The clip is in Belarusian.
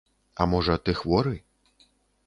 А можа, ты хворы?